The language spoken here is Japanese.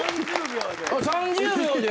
３０秒で。